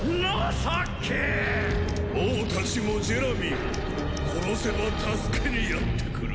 王たちもジェラミーも殺せば助けにやって来る。